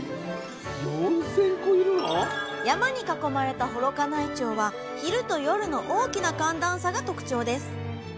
山に囲まれた幌加内町は昼と夜の大きな寒暖差が特徴です。